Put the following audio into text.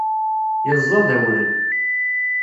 Yeẓẓad awren.